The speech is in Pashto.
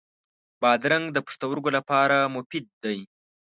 بادرنګ د پښتورګو لپاره مفید دی.